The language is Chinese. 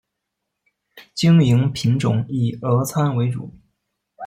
经营品种以俄餐为主。